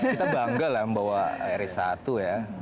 kita bangga lah membawa rice satu ya